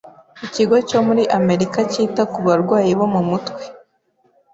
Ikigo cyo muri Amerika Cyita ku Barwayi bo mu Mutwe